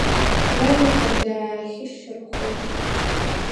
Валикәа даахьышьарххоит.